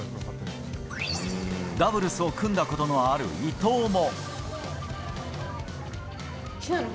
ダブルスを組んだこともある伊藤も。